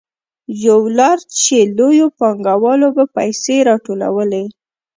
یوه لار چې لویو پانګوالو به پیسې راټولولې